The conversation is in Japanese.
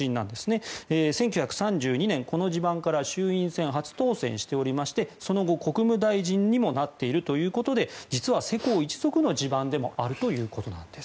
１９３２年、この地盤から衆院選初当選していましてその後、国務大臣にもなっているということで実は世耕一族の地盤でもあるということなんです。